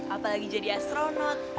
apalagi jadi astronot